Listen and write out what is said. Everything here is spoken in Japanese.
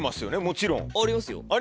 もちろん。ありますよ